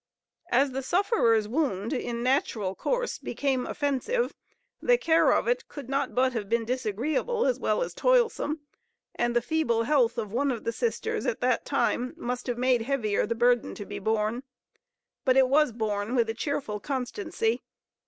As the sufferer's wound, in natural course, became offensive, the care of it could not but have been disagreeable as well as toilsome; and the feeble health of one of the sisters at that time must have made heavier the burden to be borne. But it was borne with a cheerful constancy.